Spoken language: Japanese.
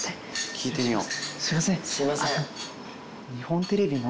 聞いてみよう。